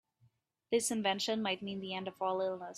This invention might mean the end of all illness.